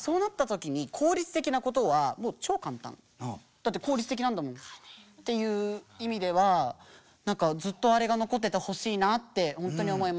「だって効率的なんだもん」っていう意味では何かずっとあれが残っててほしいなってほんとに思います。